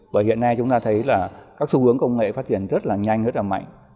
bởi hiện nay chúng ta thấy là các xu hướng công nghệ phát triển rất là nhanh rất là mạnh